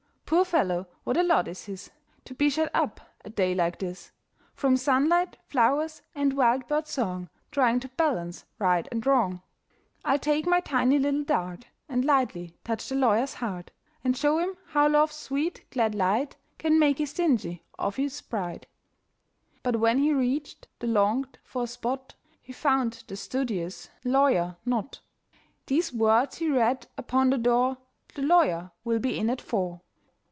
"Poor fellow, what a lot is his! To be shut up a day like this, From sunlight, flowers, and wild bird's song, Trying to balance right and wrong. "I'll take my tiny little dart, And lightly touch the lawyer's heart, And show him how love's sweet, glad light Can make his dingy office bright." But when he reached the longed for spot, He found the studious lawyer not. These words he read upon the door, "The lawyer will be in at four."